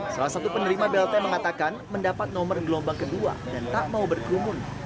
salah satu penerima blt mengatakan mendapat nomor gelombang kedua dan tak mau berkerumun